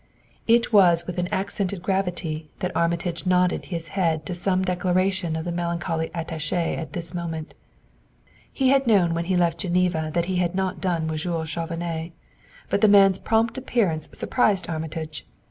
It was with an accented gravity that Armitage nodded his head to some declaration of the melancholy attaché at this moment. He had known when he left Geneva that he had not done with Jules Chauvenet; but the man's prompt appearance surprised Armitage.